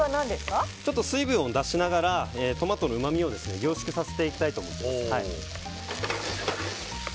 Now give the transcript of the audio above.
水分を出しながらトマトのうまみを凝縮させていきたいと思います。